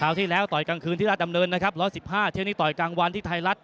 คราวที่แล้วต่อยกลางคืนที่รัฐอำเนินนะครับร้อยสิบห้าเที่ยวนี้ต่อยกลางวันที่ไทยรัฐ